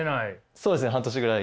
そうですね半年ぐらい。